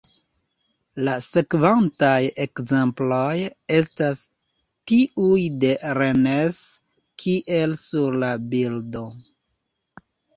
La sekvantaj ekzemploj estas tiuj de Rennes, kiel sur la bildo.